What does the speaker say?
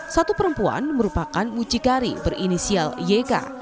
satu perempuan merupakan mucikari berinisial yk